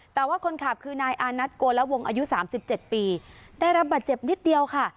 แต่ว่าคนขับคือนายอานัทโกละวงอายุ๓๗ปีได้รับบาดเจ็บนิดเดียวค่ะ